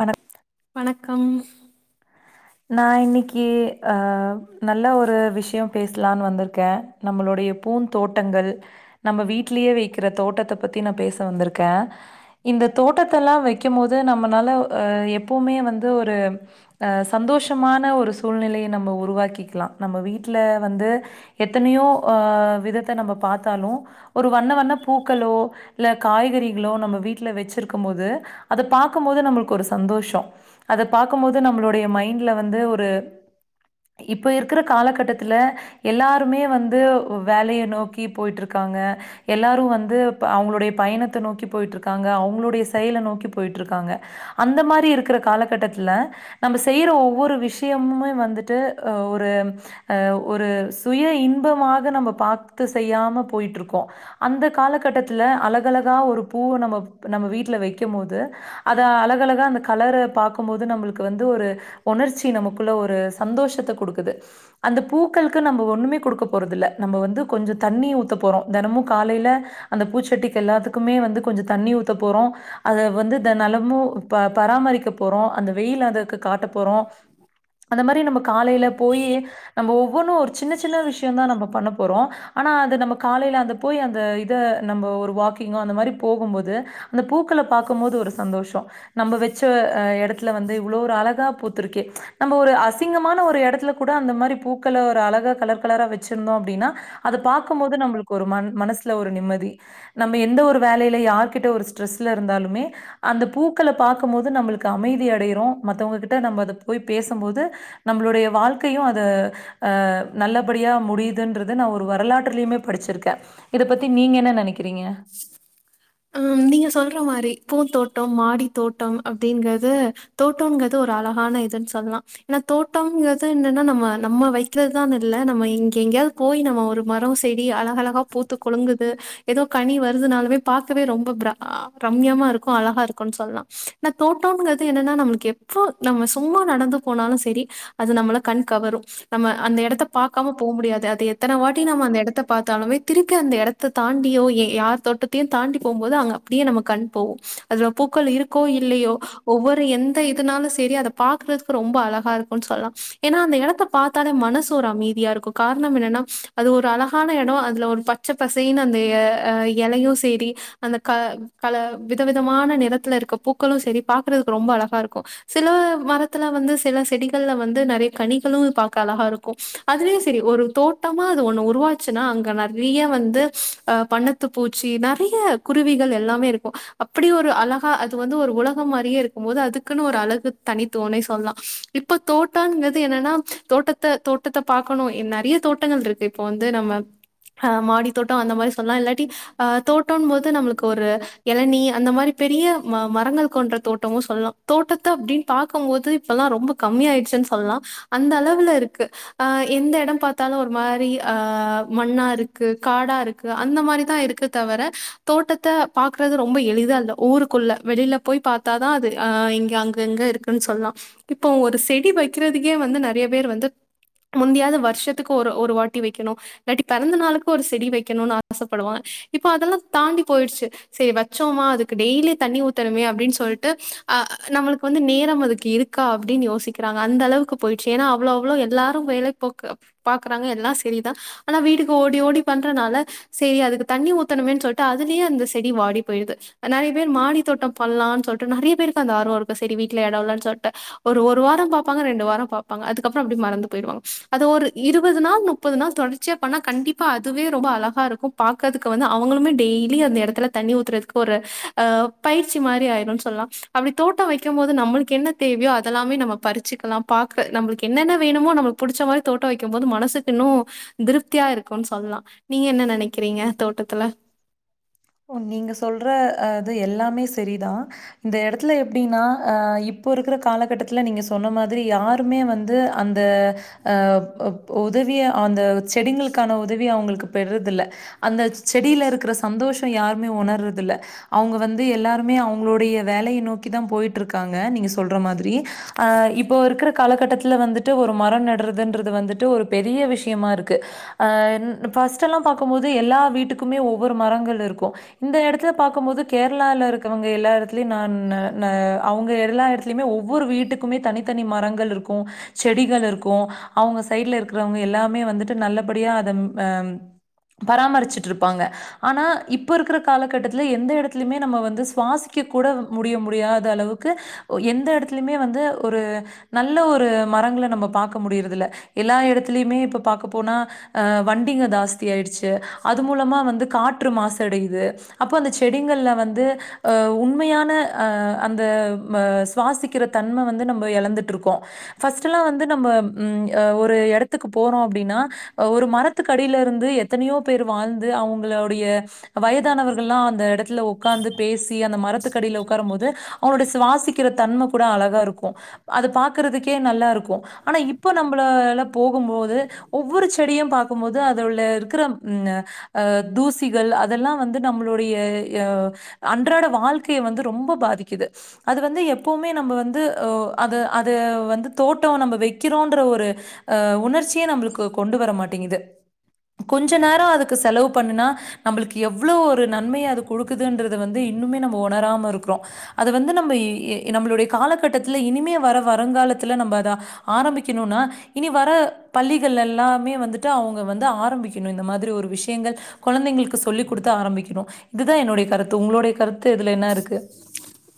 வணக் வணக்கம் நா இன்னைக்கி ஆ நல்லா ஒரு விஷ்யோ பேசலான்னு வந்திருக்கே நம்மளுடைய பூந் தோட்டங்கள் நம்ம வீட்லயே வைக்கிற தோட்டத்த பத்தி நா பேச வந்திருக்கே இந்த தோட்டத்தெல்லா வைக்க போது நம்மளால அ எப்பவுமே வந்து ஒரு ஆ சந்தோஷமான ஒரு சூழ்நிலைய நம்ம உருவாக்கிக்கலா நம்ம வீட்டுல வந்து எத்தனையோ ஆ விதத்த நம்ம பாத்தாலு ஒரு வண்ண வண்ண பூக்களோ இல்ல காய்கறிகளோ நம்ம வீட்டுல வச்சிருக்குமோது அத பாக்குமோது நம்மளுக்கு ஒரு சந்தோஷோ அத பாக்குபோது நம்மளுடைய மை ண்டுல வந்து ஒரு இப்ப இருக்கிற காலகட்டத்தில எல்லாருமே வந்து வேலைய நோக்கி போய்ட்டு இருக்காங்க எல்லாரு வந்து அவுங்களுடைய பயணத்த நோக்கி போய்ட்டு இருக்காங்க அவுங்களுடைய செயல நோக்கி போய்ட்டு இருக்காங்க அந்த மாதிரி இருக்கிற காலகட்டத்தில நம்ம செய்ற ஒவ்வொரு விஷ்யமுமே வந்துட்டு ஒரு அ ஒரு சுய இன்பமாக நம்ம பாத்து செய்யாம போய்ட்டு இருக்கோ அந்த காலகட்டத்துல அழக அழகா ஒரு பூ நம்ம நம்ம வீட்டுல வைக்க போது அத அழக அழகா அந்த கலர பாக்குபோது நம்மளுக்கு வந்து ஒரு உணர்ச்சி நமக்குள்ள ஒரு சந்தோஷத்த குடுக்குது அந்த பூக்களுக்கு நம்ம ஒன்னுமே குடுக்க போறதில்ல நம்ம வந்து கொஞ்ச தண்ணி ஊத்த போறோ தினமு காலையில அந்த பூச்சட்டிக்கு எல்லாத்துக்குமே வந்து கொஞ்ச தண்ணி ஊத்த போறோ அது வந்து இந்த நெலமு ப பராமரிக்க போறோ அந்த வெய்யிலு அது காட்ட போறோ அந்த மாதிரி நம்ம காலைல போயி நம்ம ஒவ்வொன்னு ஒரு சின்ன சின்ன விஷ்ய தா நம்ம பண்ண போறோ ஆனா அது நம்ம காலையில அங்க போய் அந்த இத நம்ம ஒரு வாக்கிங்கோ அந்த மாரி போகுபோது அந்த பூக்கள பாக்குமோது ஒரு சந்தோஷ நம்ம வச்ச அ எடத்துல வந்து இவ்வளோ ஒரு அழ க பூத்திருக்கே நம்ம ஒரு அசிங்கமான ஒரு எடத்துல கூட அந்த மாரி பூக்கள ஒரு அழகா கலர் கலரா வச் சிருந்தோ அப்டின்னா அத பாக்குபோது நம்மளுக்கு ஒரு மன மனசுல ஒரு நிம்மதி நம்ம எந்த ஒரு வேலையில யார்கிட்ட ஒரு ஸ்ட்ரெஸ்ஸுல இருந்தாலுமே அந்த பூக்கள பாக்கு போது நம்மளுக்கு அமைதி அடைய்றோ மத்தவங்ககிட்ட நம்ம அத போய் பேசு போது நம்மளுடைய வாழ்க்கையு அத அ நல்லபடியா முடியுதுன்றது நா ஒரு வரலாற்றுலயுமே படிச்சிருக்கே இத பத்தி நீங்க என்ன நெனைக்கிறீங்க அ நீங்க சொல்ற மாரி பூந்தோட்டம் மாடி தோட்டம் அப்டிங்கறது தோட்டோகிறது ஒரு அழகான இதுன்னு சொல்லலா ஏன்னா தோட்டோகறது என்னன்னா நம்ம நம்ம வைக்கிறதுதானு இல்ல நம்ம இங்க எங்கேயாவ்து போய் நம்ம ஒரு மரோ செடி அழக அழகா பூத்து குளுங்குது ஏதோ கனி வருதுனாலுமே பாக்கவே ரொம்ப பிர பிரம்மியமா இருக்கு அழகா இருக்குன்னு சொல்லா ஆன தோட்டங்கிறது என்னன்னா நம்மளுக்கு எப்போ நம்ம சும்மா நடந்து போனாலு செரி அது நம்மள கண் கவரு நம்ம அந்த எடத்த பாக்காம போ முடியாது அது எத்தன வாட்டி நம்ம அந்த எடத்த பாத்தாலுமே திருப்பி அந்த எடத்த தாண்டியோ எ யார் தோட்டத்தையு தாண்டி போபோது அங்க அப்டியே நம்ம கண் போகு அதுல பூக்கள் இருக்கோ இல்லையோ ஒவ்வொரு எந்த இதுனாலு செரி அத பாக்குறதுக்கு ரொம்ப அழகா இருக்குனு சொல்லா ஏனா அந்த எடத்த பாத்தாலே மனசு ஒரு அமைதியா இருக்கு காரணம் என்னன்னா அது ஒரு அழகான எடொ அதுல ஒரு பத் பச்ச பசைன்னு அந்த எ எலயு சேரி அந்த க கல வித விதமான நிறத்துல இருக்க பூக்களு செரி பாக்குறதுக்கு ரொம்ப அழகா இருக்கு சில மரத்துல வந்து சில செடிகள்ல வந்து நெறய கனிகளு பாக்க அழகா இருக்கு அதுலயு செரி ஒரு தோட்டமா அது ஒன்னு உருவாச்சுன்னா அங்க நெறய வந்து அ வண்ண த்து பூச்சி நெறய குருவிகள் எல்லாமே இருக்கு அப்டி ஒரு அழகா அது வந்து ஒரு உலகம் மாரியே இருக் கும்போது அதுக்குன்னு ஒரு அழகு தனித்துவனே சொல்லா இப்ப தோட்டங்றது என்னன்னா தோட்டத் த தோட்டத்த பாக்கணு நெறய தோட்டங்கள் இருக்கு இப்போ வந்து நம்ம அ மாடி தோட்டோ அந்த மாரி சொல்லலா இல்ல ட்டி அ தோட்டம்ன் போது நம்மளுக்கு ஒரு எளநி அந்த மாரி பெரிய ம மரங்கள் கொன்ற தோட்டமு சொல்லா தோட்டத்த அப்டின் பாக்கம்போது இப்பெல்லா ரொம்ப கம்மியா ஆய்ட்ச்சுன் சொல்லா அந்த அளவுல இருக்கு அ எந்த எடொ பாத்தாலு ஒரு மாரி அ மண்ணா இருக்கு காடா இருக்கு அந்த மாரி தா இருக்கு தவர தோட்டத்த பாக்குறது ரொம்ப எளிதா இல்ல ஊருக்குள்ள வெளில போய் பாத்தாதா அது அ இங்கெ அங்கங்க இருக்கு னு சொல்லா இப்போ ஒரு செடி வக்கிறதுக்கே வந்து நெறய பேர் வந்து முந்தியாது வர்ஷத்துக்கு ஒரு ஒரு வாட்டி வெக்கணு இல்லாட்டி பெறந்த நாளுக்கு ஒரு செடி வெக்கணுனு ஆச படுவா இப்ப அதெல்லா தாண்டி போய்டுச்சு செரி வச்சோமா அதுக்கு டெய்லி தண்ணி ஊத்தணுமே அப்டின் சொல்ட்டு அ நம்மளுக்கு வந்து நேரம் அதுக்கு இருக் க்கா அப்டின் யோசிக்கிறாங்க அந்த அளவுக்கு போய்ட்ச்சு ஏன்னா அவ்ளோ அவ்ளோ எல்லாரு வேலக் போக்க பாக்றாங்க எல்லா செரி தா ஆனா வீட்டுக்கு ஓடி ஓடி பண்றனால செரி அதுக்கு தண்ணி ஊத்தணுமேன் சொல்ட்டு அதுலேயே அந்த செடி வாடி போய்டுது நெறய பேர் மாடி தோட்டம் பண்லான் சொல்ட்டு நெறய பேருக்கு அந்த ஆர்வொ இருக்கு செரி வீட்ல எடொ இல்லன் சொல்ட்டு ஒரு ஒரு வாரொ பாப்பாங்க ரெண்டு வாரொ பாப்பாங்க அதுக்கப்பறொ அப்டி மறந்து போயிடுவாங்க அது ஒரு இருவது நாள் முப்பது நாள் தொடர்ச்சியா பண்ணா கண்டிப்பா அதுவே ரொம்ப அழகா இருக் கு பாக்கறதுக்கு வந்து அவுங்களுமே டெய்லி அந்த எடத்துல தண்ணி ஊத்துறதுக்கு ஒரு அ பயிற்சி மாரி ஆயிரு சொல்லலா அப்டி தோட்டொ வெக்கும் போது நம்மளுக்கு என்ன தேவையோ அதெல்லாமே நம்ம பறிச்சுக்கலாம் பாக்க நம்மளுக்கு என்னென வேணுமோ நம்ளுக் புடுச்ச மாரி தோட்டொ வெக்கும் போது மனசுக்கு இன்னொ திருப்தியா இருக்குனு சொல்லா நீங்க என்ன நெனக்கிறீங்க தோட்டத்துல ஒ நீங்க சொல்ற அது எல்லாமே செரி தா இந்த எடத்துல எப்டினா இப்போ இருக்குற காலகட்டத்துல நீங்க சொன்ன மாதிரி யார் ருமே வந்து அந்த அ ஓதவிய அந்த செடிங்களுக்கான உதவி அவுங்களுக்கு பெர்றதில்ல அந்த செடியில இருக்குற சந்தோஷொ யாருமே ஒணர்றதில்ல அவுங்க வந்து எல்லாருமே அவுங்களுடைய வேலய நோக்கிதா போயிட்டு இருக்காங்க நீங்க சொல்ற மாதிரி இப்போ இருக்குற காலகட்டத்துல வந்துட்டு ஒரு மரொ நடுறதுன்றது வந்துட்டு ஒரு பெரிய விஷ்யமா இருக்கு அ ஃபஸ்ட் எல்லா பாக்கம்போது எல்லா வீட்டுக்குமே ஒவ்வொரு மரங்கள் இருக்கு கு இந்த எடத்துல பாக்கும்போது கேரளால இருக்கவங்க எல்லா எடத்துல்யு நா ந ந அவுங்க எல்லா எடத் லிமே ஒவ்வொரு வீட்டுக்குமே தனித்தனி மரங்கள் இருக்கு செடிகள் இருக்கு அவுங்க சைட்ல இருக்குறவங்க எல்லாமே வந்துட்டு நல்லபடியா அத அ பராமருச்சுட் இருப்பாங்க ஆனா இப் இப்ப இருக்குற காலகட்டத்துல எந்த எடத்துலயுமே நம்ம வந்து சுவாசிக்க கூட முடிய முடியாத அளவுக்கு எந்த எடத்துலெமே வந்து ஒரு நல்ல ஒரு மரங்கள நம்ம பாக்க முடியிறதில்ல எல்லா எடத்துலயுமே இப்ப பாக்க போனா அ வண்டிங்க ஜாஸ்தி ஆய்டுச்சு அது மூலமா வந்து காற்று மாசு அடையுது அப்போ அந்த செடிங்கள்ல வந்து அ உண்மையான அ அந்த அ சுவாசிக்கிற தன்ம வந்து நம்ம எழந்துட்டுருக்கோ ஃபஸ்டல்லா வந்து நம்ம ம் அ ஒரு எடத்துக்கு போறோ அப்டினா ஒரு மரத்துக்கடியில இருந்து எத்தனையோ பேரு வாழ்ந்து அவுங்களோடைய வயதானவர்கல்லாம் அந்த எடத்துல உக்காந்து பேசி அந்த மரத்துக்கடியில உக்காரம் போது அவுங்ளோட சுவாசிக்கிற தன்ம கூட அழகா இருக்கு அத பாக்குறதுக்கே நல்லா இருக்கு ஆனா இப்ப நம்பளால போகும்போது ஒவ்வொரு செடியும் பாக்கும் போது அதுவுள்ள இருக்கிற ம் ஆ தூசிகள் அதெல்லா வந்து நம்மளுடைய அ அன்றாட வாழ்க்கைய வந்து ரொம்ப பாதிக்கிது அது வந்து எப்பவுமே நம்ம வந்து ஒ அது அது வந்து தோட்டோ நம்ம வெக்கிறோன்ற ஒரு அ உணர்ச்சியே நம்மளுக்கு கொண்டு வர மாட்டேங்கிது கொஞ்ச நேரோ அதுக்கு செலவு பண்ணுனா நம்பளுக்கு எவ்வளோ ஒரு நன்மைய அது குடுக்குதுன்றத வந்து இன்னுமே நம்ம உணராம இருக்குறோ அது வந்து நம்ப எ எ நம்பளுடைய காலகட்டத்துல இனிமே வர வருங்காலத்துல நம்ப அதா ஆரம்பிக்கணுனா இனி வர பள்ளிகள்லெல்லாமே வந்துட்டு அவுங்க வந்து ஆரம்பிக்கணு இந்த மாதிரி ஒரு விஷயங்கள் குழந்தைங்களுக்கு சொல்லிக் குடுத்து ஆரம்பிக்கிணு இதுதா என்னுடைய கருத்து உங்களுடைய கருத்து இதுல என்ன இருக்கு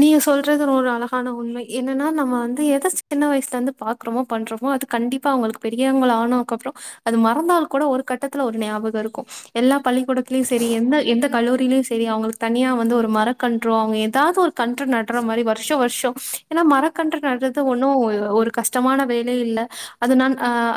நீங்க சொல்றது ஒரு அழகான உண்மை என்னன்னா நம்ம வந்து எத சின்ன வயசுலந்து பா க்கறமோ பண்றமோ அது கண்டிப்பா அவுங்களுக்கு பெரியவங்களா ஆனாக்கப்றோ அது மறந்தால் கூட ஒரு கட்டத்துல ஒரு ஞாபக இருக்கு எல்லா பள்ளிக்கூடத்திலயு செரி எந்த எந்த கல்லூரிலியு செரி அவுங்களுக் தனியா வந்து ஒரு மர க்கன்றோ அவுங்க எதாது ஒரு கன்று நட்ற மாரி வருஷ வருஷோ ஏனா மரக்கன்று நட்றது ஒன்னு ஒ ஒரு கஷ்டமான வேல இல்ல அது ந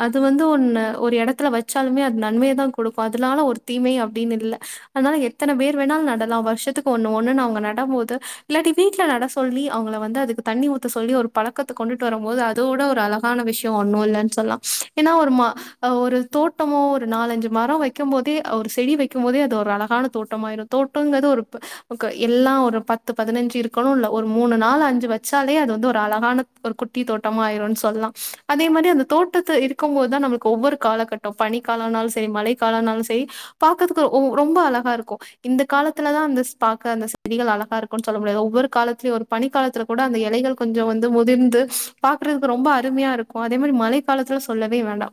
அது வந்து ஒன்ன ஒரு எடத்துல வச்சாலுமே அது நன்மையதா குடுக்கு அதனால ஒரு தீமை அப்டின் இல்ல அதனால எத்தன பேர் வேணாலு நடலா வருஷத்துக்கு ஒன்னு ஒன்னுன் அவுங்க நடமோது இல்லாட்டி வீட்ல் நட சொல்லி அவுங்கள வந்து அதுக்கு தண்ணி ஊத்த சொல்லி ஒரு பழக்கத் த கொண்டுட்டு வரும் போது அதோட ஒரு அழகான விஷ்யோ ஒன்னு இல்லைன் சொல்லா ஏனா ஒரு ம அ ஒரு தோட்டமோ ஒரு நாலஞ்சு மரோ வைக்கும் போதே ஒரு செடி வைக்கும் போதே அது ஒரு அழகான தோட்டமாயிரு தோட்டங்கறது ஒரு ப கை எல்லா ஒரு பத்து பதினஞ்சு இருக்கணு இல்ல ஒரு மூணு நாலு அஞ்சு வெச்சாலே அது வந்து ஒரு அழகான ஒரு குட்டி தோட்டமா ஆயிருன் சொல்லா அதே மாரி அந்த தோட்டத்து இருக்கும்போத்தா நம்மளுக்கு ஒவ்வொரு காலகட் டோ பனி காலனாலு செரி மழை காலனாலு செரி பாக்கறதுக்கு ஒ ரொம்ப அழகா இருக்கு இந்த காலத்துலதா அந்த ஸ் பாக்க அந்த செடிகள் அழகா இருக்குன் சொல்ல முடியாது ஒவ்வொரு காலத்லியு ஒரு பனி காலத்துல கூட அந்த இலைகள் கொஞ்சோ வந்து முதிர்ந்து பாக்குறதுக்கு ரொம்ப அருமையா இருக்கு அதே மாரி மழை காலத்துல சொல்லவே வேண்டா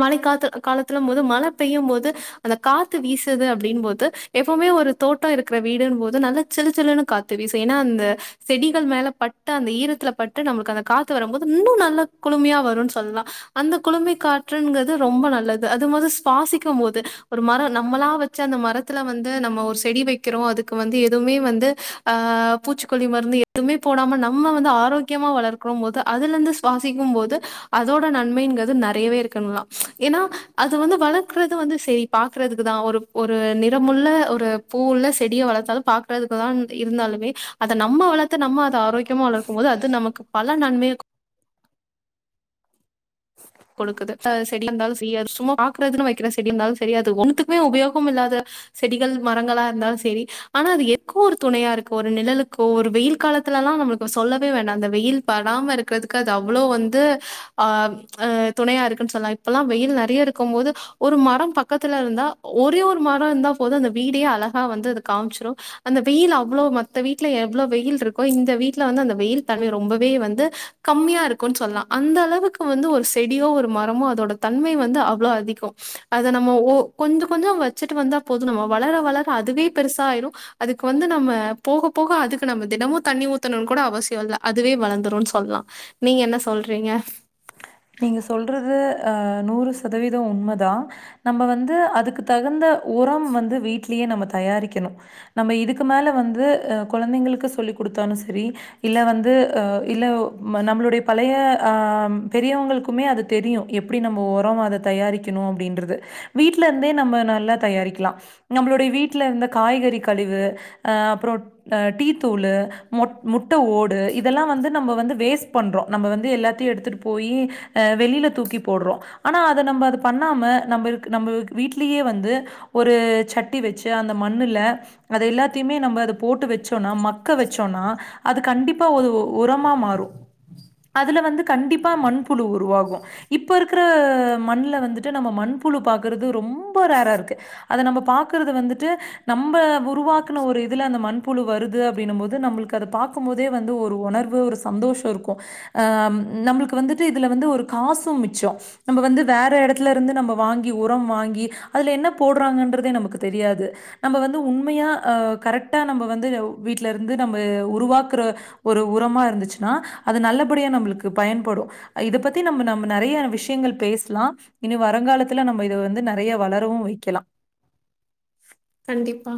மழை காத்து காலத்துலமோது மழ பெய்யும் போது அந்த காத்து வீசுது அப்டினும் போது எப்போமே ஒரு தோட்டோ இருக்கிற வீடுன்போ து நல்ல சிலு சிலுன்னு காத்து வீசு ஏனா அந்த செடிகள் மேல பட்டு அந்த ஈரத்துல பட்டு நம்மளுக்கு அந்த காத்து வரும் போது இன்னுநல்ல குளுமையா வருன் சொல்லா அந்த குளுமை காற்றுங்கது ரொம்ப நல்லது அதுமோது சுவாசிக்கும் போது ஒரு மரோ நம்மளா வெ ச்சு அந்த மரத்துல வந்து நம்ம ஒரு செடி வெய்க்கிறோ அதுக் கு வந்து எதுவுமே வந்து ஆ பூச்சிக்கொல்லி மருந்து எதுவுமே போடாம நம்ம வந்து ஆரோக்கியமா வளர் க்றோம்போது அதுலந்து சுவாசிக்கும் போது அதோட நன்மைங்கிறது நெறையவே இருக்குன்லா ஏனா அது வந்து வளர்க்றது வந்து சேரி பாக்றதுக்குதா ஒரு ஒரு நிறமுள்ள ஒரு பூ உள்ள செடிய வள ச்சாலு பாக்கறதுக்குதான் இருந்தாலுமே அத நம்ம வளத் த்து நம்ம அது ஆரோக்கியமா வளர்க்கும் போது அது நமக்கு பல நன்மைய கொடுக்குது ஹ செடில இருந்தாலு செய் சும்மா பாக்குறதுன்னு வைக்கிற செடி இந்தாலு செரி அது ஒண்ணுதுக்கே உபயோகம் இல்லாத செடிகள் மரங்களா இர்ந்தாலு சேரி ஆனா அது எதுக்கோ ஒரு துணையாருக்கு ஒரு நிழலுக்கோ ஒரு வெயில் காலத்துல்லலா நம்மளுக்கு சொல்லவே வேண்டா அந்த வெயில் படாம இருக் க்கிறதுக்கு அது அவ்ளோ வந்து ஆ அ துணையாருக்குன் சொல்லா இப்பல்லா வெயில் நறைய இருக்கும்மோது ஒரு மரம் பக்கத்துல இருந்தா ஒரேஒரு மரொ இந்தா போது அந்தவீடே அழகா வந்து அது காம்ச்சிரு அந்த வெயில் அவ்ளோ மத்த வீட்ல எவ்ளோ வெயில்ருக்கோ இந்த வீட்ல வந்துஅந்த வெயில் தன்மை ரொம்பவே வந்து கம்மியாருக்குன் சொல்லா அந்த அளவுக் வந்து ஒரு செடியோ ஒரு மரமோ அதோட தன்மை வந்து அவ்ளோ அதிகொ அத நம்ம ஒ கொஞ்சொ கொஞ்சொ வ வச்சிட்டு வந்தா போது நம்ம வளர வளர அதுவே பெருசாய்ரு அதுக்கு வந்து நம்ம போக போக அதுக்கு நம்ம தினமு தண்ணி ஊத்தணுன் கூட அவசியொ இல்ல அதுவே வளந்துருன் சொல்லா நீங்க என்ன சொல்றீங்க நீங்க சொல்றது அ நூறுசதவீத உண்மதா நம்ப வந்து அதுக்கு தகுந்த உரம் வந்து வீட்லியே நம்ம தயாரிக்கணு நம்ப இதுக்கு மேல வந்து அ கொழந்தைங்களுக்கு சொல்லி குடுத்தான்னு செரி இல்ல வந்து அ இல்ல வ நம்மளுடைய பழைய அம் பெரியவுங்களுக்குமே அது தெரியு எப்புடி நம்போ உர அத தயாரிக்கணு அப்டின்றது வீட்ல இர்ந்தே நம்ப நல்லா தயாரிக்லா நம்ப்ளுடை வீட்ல இருந்த காய்கறி கழிவு அ அப்ரோட் அ டீ தூள்ளு மொட் முட்ட ஓடு இதெல்லா வந்து நம்ப வந்து வேஸ் பண்றோ நம்ப வந்து எல்லாத்தியு எடுதுட்டு போயி அ வெளில தூக்கி போட்றோ அனா அத நம்ப அது பண்ணாம நம்ப இருக் நம்பக் வீட்லியே வந்து ஒரு சட்டி வெச்சு அந்த மண்ணுல அது எல்லாத்தியுமே நம்ப அது போட்டு வெச் ச்சோன்னா மக்க வெச்சோனா அது கண்டிப் ப்ப ஒரு உரமா மாறு அதுல வந்து கண்டிப்பா மண்புலு உருவாகூ இப்பொ இருக்குற மண்ல வந்துட்டு நம்ப மண்புழு பாக்குறது ரொம்ப ரேராருக்கு அத நம்ப பாக்கறது வந்துட்டு நம்ப உருவாக்குன ஒரு இதுல அந்த மண்புழு வருது அப்பிடின்னபோது நம்ப்ளுக்கு அத பாக் க்கும்மோதே வந்து ஒரு உணர்வு ஒரு சந்தோஷ இருக்கு அம் நம்புளுக் வந்துட்டு இதுல வந்து ஒரு காசும் மிச்சொ நம்ப வந்து வேற எடத்துல இருந்து நம்ப வாங்கி உரம் வாங்கி அதுல என்ன போட்றாங்கன்றதே நம்பக்கு தெரியாது நம்ப வந்து உண்மையா அ கரெக்டா நம்ப வந்து வீட்டலருந்து நம்ப உருவாக்குற ஒரு உரமா இருந்துச்னா அது நல்லபடியா நம்ப்ளுக்கு பயன்படூ இத பத்தி நம்ம நம்ம நறைய விஷயங்கள் பேஸ்லா இன்னியு வருங்காலத்துல நம்ப இத வந்து நறைய வளரவு வைக்கலா கண்டிப்பா